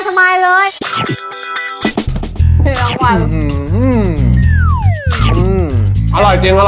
อร่อยจริงอันนี้อร่อยจริง